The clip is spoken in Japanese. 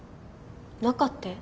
中って？